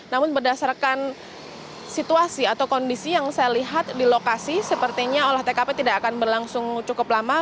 namun berdasarkan situasi atau kondisi yang saya lihat di lokasi sepertinya olah tkp tidak akan berlangsung cukup lama